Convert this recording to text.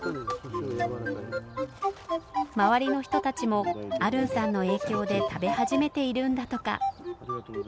周りの人たちもアルンさんの影響で食べ始めているんだとか。